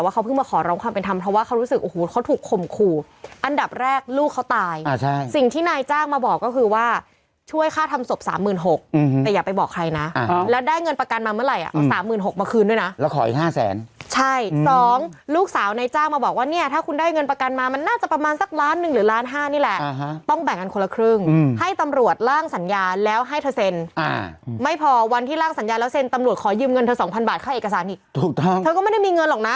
เขารู้สึกโอ้โหเขาถูกข่มขู่อันดับแรกลูกเขาตายสิ่งที่นายจ้างมาบอกก็คือว่าช่วยฆ่าทำศพ๓๖๐๐๐แต่อย่าไปบอกใครนะแล้วได้เงินประกันมาเมื่อไหร่เอา๓๖๐๐๐มาคืนด้วยนะแล้วขออีก๕๐๐๐๐๐ใช่สองลูกสาวนายจ้างมาบอกว่าเนี่ยถ้าคุณได้เงินประกันมามันน่าจะประมาณสักล้านหนึ่งหรือล้านห้านี่แหละต้องแบ่ง